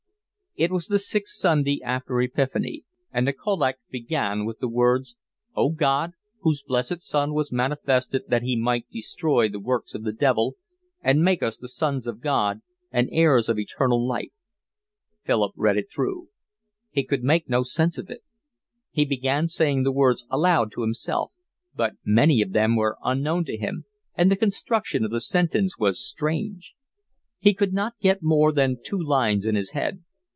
It was the Sixth Sunday after Epiphany, and the collect began with the words: O God, whose blessed Son was manifested that he might destroy the works of the devil, and make us the sons of God, and heirs of Eternal life. Philip read it through. He could make no sense of it. He began saying the words aloud to himself, but many of them were unknown to him, and the construction of the sentence was strange. He could not get more than two lines in his head.